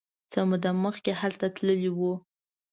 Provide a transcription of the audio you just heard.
څه موده مخکې هلته تللی و.